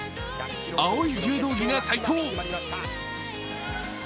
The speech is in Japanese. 青い柔道着が斉藤。